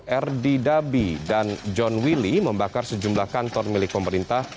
erdi dabi dan john willy membakar sejumlah kantor milik pemerintah